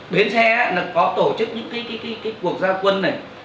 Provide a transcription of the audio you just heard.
bến xe có tổ chức những cái cuộc gia quân này